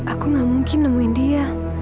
aku gak mungkin nemuin dia